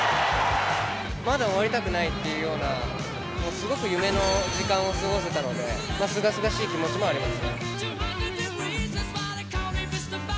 まだ終わりたくないっていうような、もうすごく夢の時間を過ごせたので、もうすがすがしい気持ちもあります。